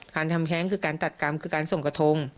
ทำแท้งคือการตัดกรรมคือการส่งกระทง